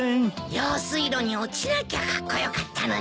用水路に落ちなきゃカッコ良かったのに。